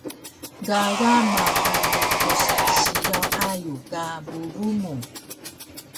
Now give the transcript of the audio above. Gaga mahu lukus siyaw ayug ka bubu mu